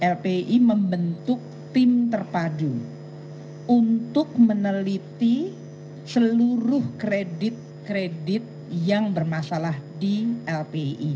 lpi membentuk tim terpadu untuk meneliti seluruh kredit kredit yang bermasalah di lpi